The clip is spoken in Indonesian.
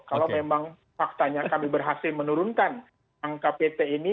kalau memang faktanya kami berhasil menurunkan angka pt ini